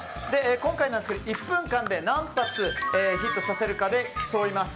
今回は１分間で何発ヒットさせるかで競います。